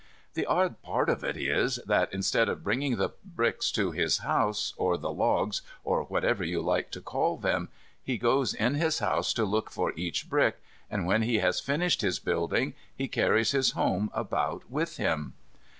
The odd part of it is that instead of bringing the bricks to his house, or the logs, or whatever you like to call them, he goes in his house to look for each brick, and, when he has finished his building, he carries his home about with him.